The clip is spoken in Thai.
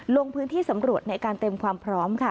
ลงพื้นที่สำรวจในการเตรียมความพร้อมค่ะ